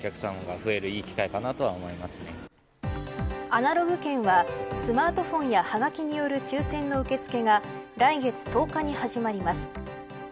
アナログ券はスマートフォンやはがきによる抽せんの受付が来月１０日に始まります。